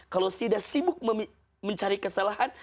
kalau sudah sibuk mencari kesalahan